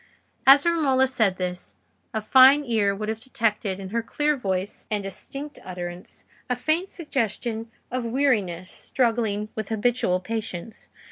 As Romola said this, a fine ear would have detected in her clear voice and distinct utterance, a faint suggestion of weariness struggling with habitual patience.